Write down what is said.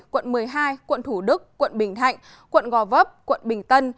quận một mươi hai quận thủ đức quận bình thạnh quận gò vấp quận bình tân